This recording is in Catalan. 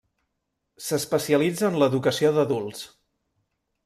S'especialitza en l'educació d'adults.